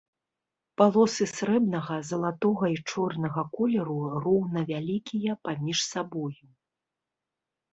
Палосы срэбнага, залатога і чорнага колеру роўнавялікія паміж сабою.